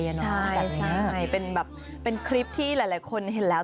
ใช่เป็นแบบเป็นคลิปที่หลายคนเห็นแล้ว